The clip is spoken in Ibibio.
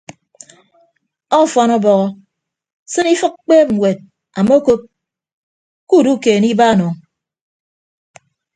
Ọfọn ọbọhọ sịn ifịk kpeeb ñwed amokop kuudukeene ibaan o.